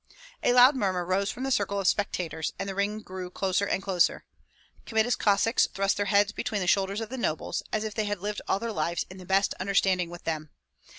A loud murmur rose from the circle of spectators, and the ring grew closer and closer. Kmita's Cossacks thrust their heads between the shoulders of the nobles, as if they had lived all their lives in the best understanding with them.